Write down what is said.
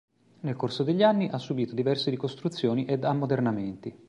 Nel corso degli anni ha subito diverse ricostruzioni ed ammodernamenti.